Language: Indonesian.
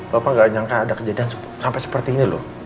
papa gak nyangka ada kejadian sampai seperti ini loh